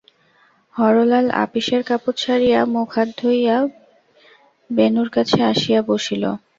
হরলাল আপিসের কাপড় ছাড়িয়া মুখহাত ধুইয়া বেণুর কাছে আসিয়া বসিল।